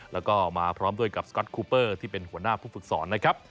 แล้วก็มาพร้อมด้วยกับสก๊อตคูเปอร์ที่เป็นหัวหน้าผู้ฝึกสอนนะครับ